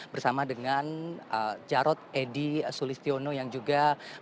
bersama dengan jarod edy sulistiono yang juga menangkapnya